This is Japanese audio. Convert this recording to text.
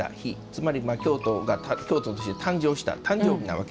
つまり京都として誕生した誕生日。